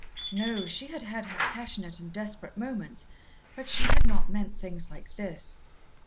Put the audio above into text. No; she had had her passionate and desperate moments, but she had not meant things like this.